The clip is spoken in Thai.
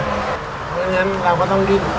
เพราะฉะนั้นเราก็ต้องดิ้น